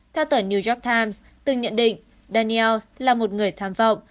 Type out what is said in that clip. theo tờ new york times từng nhận định danield là một người tham vọng